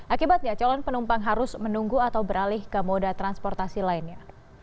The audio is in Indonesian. akibatnya calon penumpang harus menunggu atau beralih ke moda transportasi lainnya